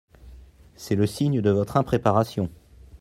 C’est le signe de votre impréparation.